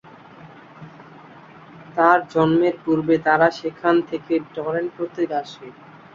তার জন্মের পূর্বে তারা সেখান থেকে টরন্টোতে আসে।